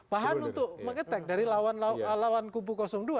bahan untuk mengetek dari lawan kubu dua